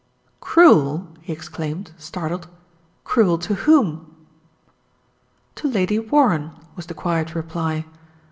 "Cruel!" he exclaimed, startled. "Cruel to whom?" "To Lady Warren," was the quiet reply.